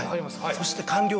そして。